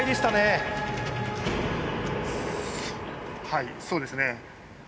はいそうですね。